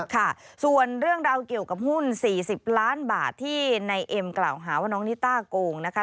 ค่ะส่วนเรื่องราวเกี่ยวกับหุ้น๔๐ล้านบาทที่ในเอ็มกล่าวหาว่าน้องนิต้าโกงนะคะ